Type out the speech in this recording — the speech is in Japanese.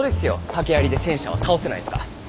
竹やりで戦車は倒せないとか。